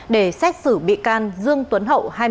để xét xử bị can dương tuấn hậu